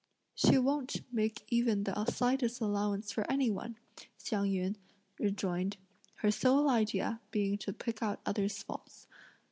"She won't make even the slightest allowance for any one," Hsiang yün rejoined; "her sole idea being to pick out others' faults.